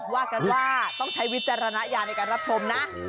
ว่ากันว่าต้องใช้วิจารณญาณในการรับชมนะ